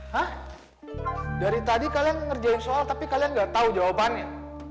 hah dari tadi kalian ngerjain soal tapi kalian gak tahu jawabannya